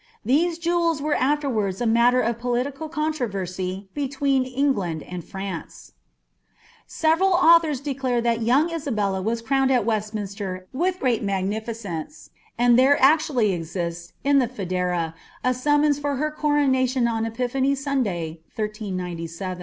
These jewels were afterwards a matter of pcihtiral controversy belween England and France, Several authors declare that young Isabella was crowned al Westmin ftier wiih grvat magnificence, and there actually exists, in ihe Ftedera, b suinintMi* for her coronation on Epiphany Sunday, I3S7.'